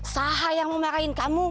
sahai yang memarahin kamu